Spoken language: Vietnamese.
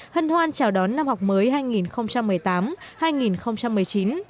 hân hoan chào đón năm học mới hai nghìn một mươi tám hai nghìn một mươi chín